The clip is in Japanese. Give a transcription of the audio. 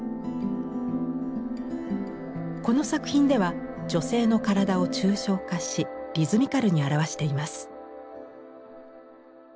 この作品では女性の体を抽象化しリズミカルに表しています。